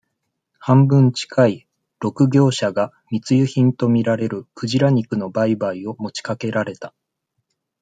半分近い、六業者が、密輸品とみられる、鯨肉の売買を持ちかけられた。